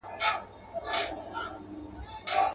خدای به مني قرآن به لولي مسلمان به نه وي.